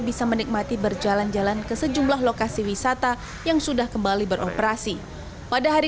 bisa menikmati berjalan jalan ke sejumlah lokasi wisata yang sudah kembali beroperasi pada hari